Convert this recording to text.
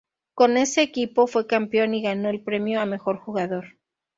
Con ese equipo, fue campeón y ganó el premio a mejor jugador.